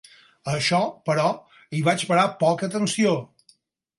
A això, però, hi vaig parar poca atenció.